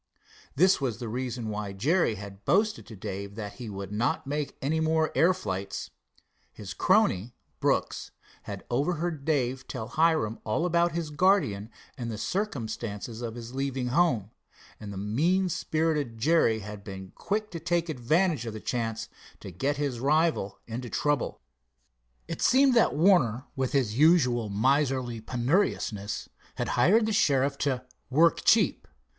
This was the reason why Jerry had boasted to Dave that he would not make any more air flights. His crony, Brooks, had overheard Dave tell Hiram all about his guardian and the circumstances of his leaving home, and the mean spirited Jerry had been quick to take advantage of the chance to get his rival into trouble. It seemed that Warner, with his usual miserly penuriousness had hired the sheriff to "work cheap."